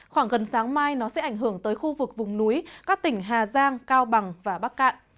khoảng gần sáng mai nó sẽ ảnh hưởng tới khu vực vùng núi các tỉnh hà giang cao bằng và bắc cạn